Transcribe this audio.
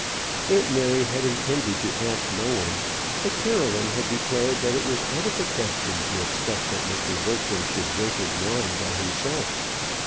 Aunt Mary had intended to ask no one; but Caroline had declared that it was out of the question to expect that Mr. Bertram should drink his wine by himself.